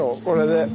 これで。